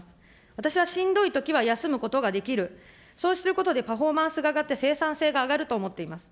私はしんどいときは休むことができる、そうすることでパフォーマンスが上がって生産性が上がると思っています。